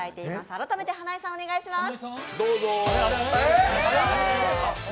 改めて花井さんお願いします。